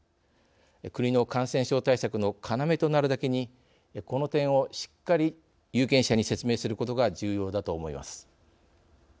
国の感染症対策の要となるだけにこの点をしっかり有権者に説明することが重要だと思います。